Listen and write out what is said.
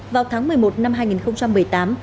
vào tháng một mươi một năm hai nghìn một mươi tám